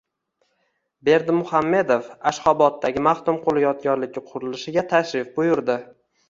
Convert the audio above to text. Berdimuhamedov Ashxoboddagi Maxtumquli yodgorligi qurilishiga tashrif buyurdi